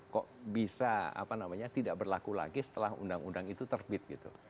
kok bisa tidak berlaku lagi setelah undang undang itu terbit